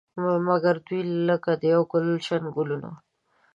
مګر دوی لکه د یو ګلش ګلونه.